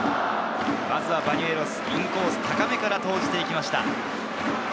バニュエロス、インコース高めから投じて行きました。